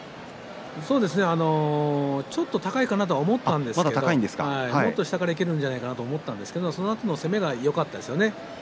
そうですねちょっと高いかなと思ったんですけれどももっと下からいけるんじゃないかと思うんですが、そのあとの攻めがよかったですね。